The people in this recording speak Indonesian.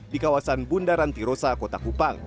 di kawasan bundaran tirosa kota kupang